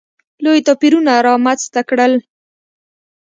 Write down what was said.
لوی توپیرونه رامځته کړل.